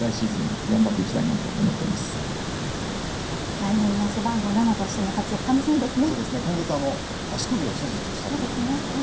来年の背番号７としての活躍が楽しみですね。